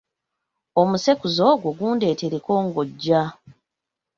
Omusekuzo ogwo gundeetereko ng’ojja.